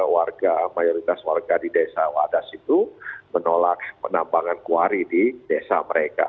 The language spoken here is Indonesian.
warga mayoritas warga di desa wadas itu menolak penambangan kuari di desa mereka